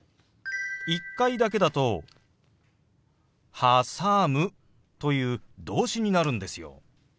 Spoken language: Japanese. １回だけだと「はさむ」という動詞になるんですよ。